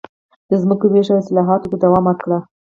د ځمکو وېش او اصلاحاتو ته دوام ورکړي.